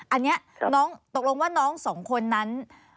อันนี้น้องตกลงว่าน้องสองคนนั้น